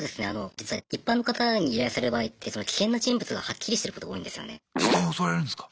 実は一般の方に依頼される場合って危険な人物がはっきりしてることが多いんですよね。